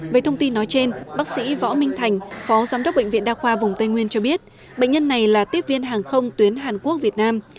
về thông tin nói trên bác sĩ võ minh thành phó giám đốc bệnh viện đa khoa vùng tây nguyên cho biết bệnh nhân này là tiếp viên hàng không tuyến hàn quốc việt nam